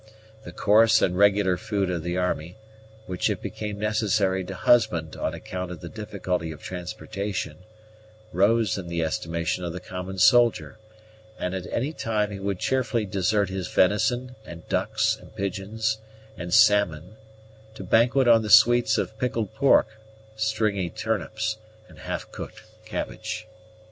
The coarse and regular food of the army, which it became necessary to husband on account of the difficulty of transportation, rose in the estimation of the common soldier; and at any time he would cheerfully desert his venison, and ducks, and pigeons, and salmon, to banquet on the sweets of pickled pork, stringy turnips, and half cooked cabbage.